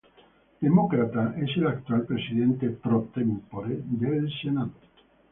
Demócrata, es el actual Presidente "Pro Tempore" del Senado.